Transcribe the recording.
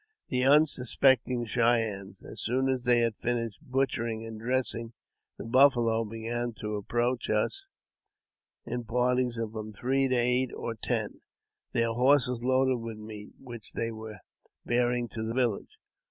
The unsuspecting Cheyennes, as soon as they ha^l finished butchering and dressing the buffalo, began to approach ' us in parties of from three to eight or ten, their horses loaded with meat, which they were bearing to the village.